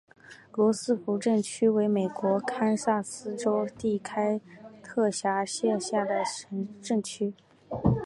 罗斯福镇区为美国堪萨斯州第开特县辖下的镇区。